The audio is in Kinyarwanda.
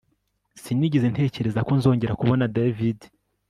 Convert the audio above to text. Sinigeze ntekereza ko nzongera kubona David